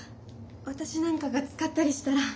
私なんかが使ったりしたら。